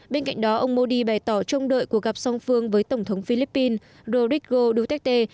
bên cạnh đó ông modi bày tỏ trông đợi cuộc gặp song phương với tổng thống philippines rodrigo duterte